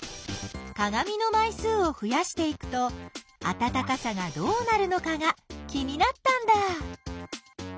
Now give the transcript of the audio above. かがみのまい数をふやしていくとあたたかさがどうなるのかが気になったんだ！